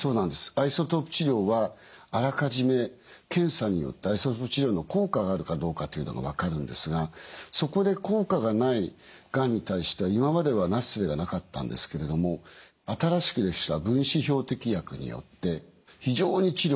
アイソトープ治療はあらかじめ検査によってアイソトープ治療の効果があるかどうかというのが分かるんですがそこで効果がないがんに対しては今まではなすすべがなかったんですけれども新しくできた分子標的薬によって非常に治療がしやすくなりました。